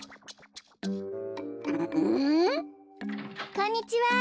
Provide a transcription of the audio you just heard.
こんにちは！